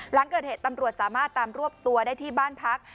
หลังเกิดเหตุตำรวจสามารถตามรวบตัวได้ที่บ้านพัก